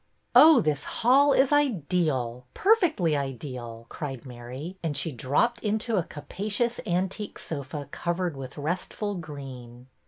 '' Oh, this hall is ideal, perfectly ideal," cried Mary, and she dropped into a capacious antique sofa covered with restful green.